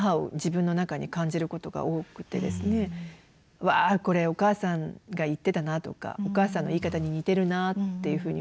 「うわこれお母さんが言ってたな」とか「お母さんの言い方に似てるな」っていうふうに思うことが多いんですね。